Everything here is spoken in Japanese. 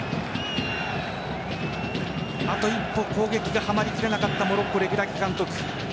あと一歩攻撃がはまりきらなかったモロッコ・レグラギ監督。